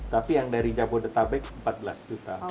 tapi yang dari jabodetabek empat belas juta